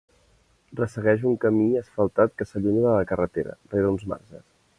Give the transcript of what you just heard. Ressegueix un camí asfaltat que s'allunya de la carretera, rere uns marges.